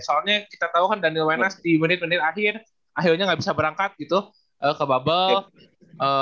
soalnya kita tahu kan daniel wenas di menit menit akhir akhirnya nggak bisa berangkat gitu ke bubble